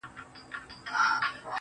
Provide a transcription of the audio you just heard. o ما د دريم ژوند وه اروا ته سجده وکړه.